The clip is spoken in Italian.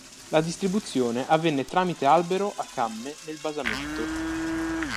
La distribuzione avvenne tramite albero a camme nel basamento.